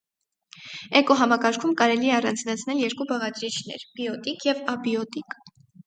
Էկոհամակարգում կարելի է առանձնացնել երկու բաղադրիչներ՝ բիոտիկ և աբիոտիկ։